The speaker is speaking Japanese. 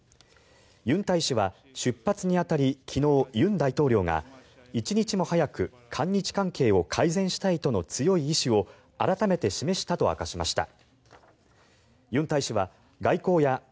ユン大使は出発に当たり昨日、尹大統領が１日も早く韓日関係を改善したいとの強い意思を改めて示したと明かしました。